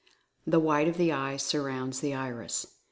The white of the eye surrounds the Iris.